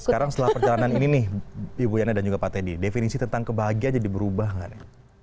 sekarang setelah perjalanan ini nih ibu yana dan juga pak teddy definisi tentang kebahagiaan jadi berubah gak nih